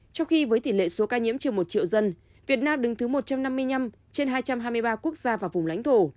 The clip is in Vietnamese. trong khi với tỷ lệ số ca nhiễm chiều một triệu dân việt nam đứng thứ một trăm năm mươi năm trên hai trăm hai mươi ba quốc gia và vùng lãnh thổ